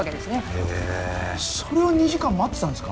へえそれを２時間待ってたんですか？